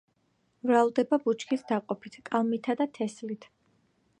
მრავლდება ბუჩქის დაყოფით, კალმითა და თესლით.